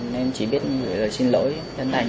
nên chỉ biết gửi lời xin lỗi